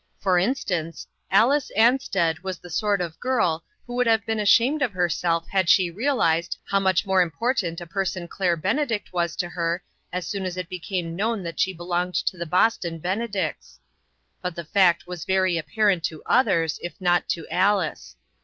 For instance, Alice Ansted was the sort of girl who would have been ashamed of herself had she real ized how much more important a person Claire Benedict was to her as soon as it became known that she belonged to the Bos ton Benedicts. But the fact was very appar ent to others, if not to Alice.